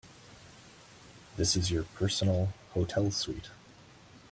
This is your personal hotel suite.